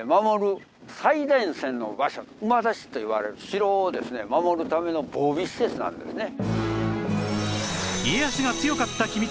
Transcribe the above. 馬出しといわれる城をですね守るための防備施設なんですね。